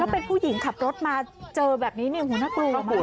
เป็นผู้หญิงขับรถมาเจอแบบนี้น่ากลัวมาก